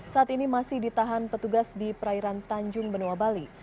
saat ini masih ditahan petugas di perairan tanjung benoa bali